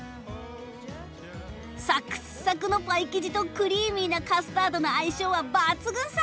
サクッサクのパイ生地とクリーミーなカスタードの相性は抜群さ！